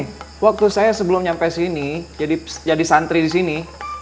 nih waktu saya sebelum nyampe sini jadi santri disini